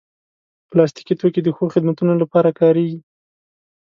پلاستيکي توکي د ښو خدمتونو لپاره کارېږي.